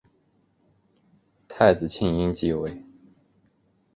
太子庆膺继位。